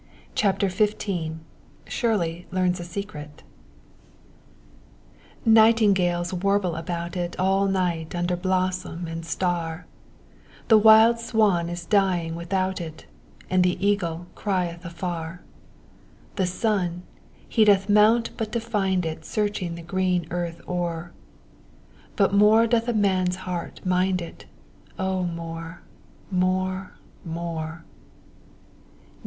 CHAPTER XV SHIRLEY LEARNS A SECRET Nightingales warble about it All night under blossom and star; The wild swan is dying without it, And the eagle crieth afar; The sun, he doth mount but to find it Searching the green earth o'er; But more doth a man's heart mind it O more, more, more!